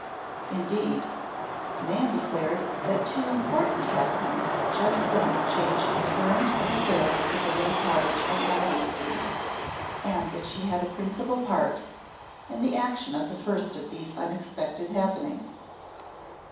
Indeed, Nan declared that two important happenings just then changed the current of affairs at the little cottage on Amity Street and that she had a principal part in the action of the first of these unexpected happenings.